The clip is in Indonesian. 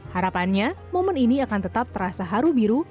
harapannya momen ini akan tetap terasa haru biru